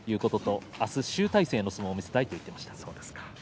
明日、集大成の相撲を見せたいという話をしていました。